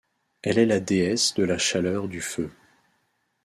Elle est la déesse de la chaleur du feu.